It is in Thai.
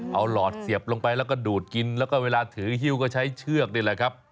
เอาหลอดเสียบลงไปแล้วก็ดูดกินแล้วก็เวลาถือฮิ้วก็ใช้เชือกนี่แหละครับ